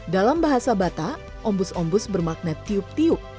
dalam bahasa bata ombus ombus bermakna tiup tiup